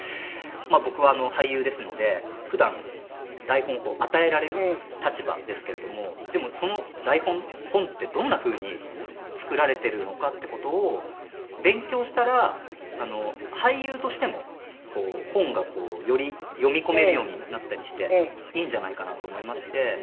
僕は俳優ですので普段台本を与えられる立場ですけれどもでもその台本本ってどんな風に作られてるのかって事を勉強したら俳優としても本がより読み込めるようになったりしていいんじゃないかなと思いまして。